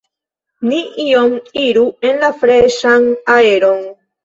Ni iom iru en la freŝan aeron.